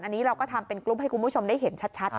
อันนี้เราก็ทำเป็นกรุ๊ปให้คุณผู้ชมได้เห็นชัด